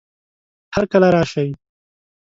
هرکله راشئ!